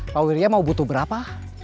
pak wirya mau butuh berapa